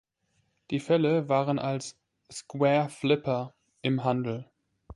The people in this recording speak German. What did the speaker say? Die Felle waren als „"Square Flipper"“ im Handel.